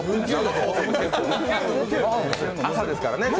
朝ですからね。